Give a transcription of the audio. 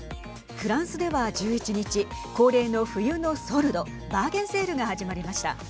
フランスでは１１日恒例の冬のソルドバーゲンセールが始まりました。